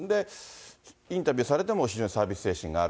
インタビューされても非常にサービス精神がある。